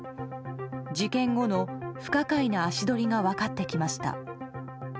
事件後の不可解な足取りが分かってきました。